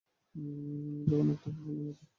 যা অনেকটা ফুটবলের মত।